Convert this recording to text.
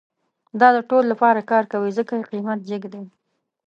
دا د ټولو لپاره کار کوي، ځکه یې قیمت جیګ ده